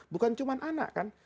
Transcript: bukan cuma anak kan